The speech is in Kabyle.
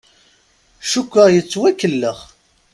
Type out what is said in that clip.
Cukkeɣ yettwakellex.